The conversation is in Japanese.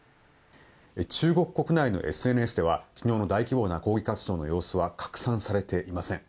中国国内のＳＮＳでは昨日の大規模な抗議活動の様子は拡散されていません。